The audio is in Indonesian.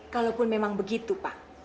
kalaupun memang begitu pak